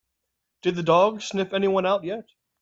Did the dog sniff anyone out yet?